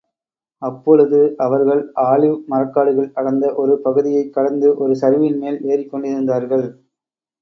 அப்பொழுது அவர்கள் ஆலிவ் மரக்காடுகள் அடர்ந்த ஒரு பகுதியைக் கடந்து ஒரு சரிவின் மேல் ஏறிக் கொண்டிருந்தார்கள்.